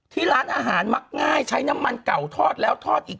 ที่ร้านอาหารมักง่ายใช้น้ำมันเก่าทอดแล้วทอดอีก